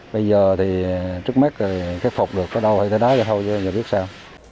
bây giờ thì trước mắt khép phục được có đâu hay thế đó cho thôi chứ không biết sao